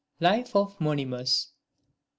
LIFE OF MONIMUS. I.